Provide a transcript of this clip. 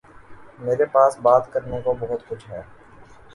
میرے پاس بات کرنے کو بہت کچھ ہے